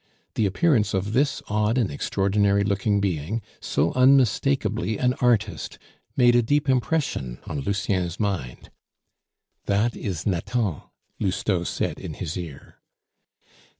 The appearance of this odd and extraordinary looking being, so unmistakably an artist, made a deep impression on Lucien's mind. "That is Nathan," Lousteau said in his ear.